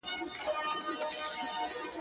دا ده عرش مهرباني ده، دا د عرش لوی کرامت دی